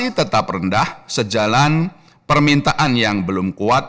ini tetap rendah sejalan permintaan yang belum kuat